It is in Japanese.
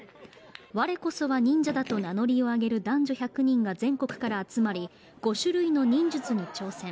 我こそは忍者だと名乗りを上げる男女１００人が全国から集まり、５種類の忍術に挑戦。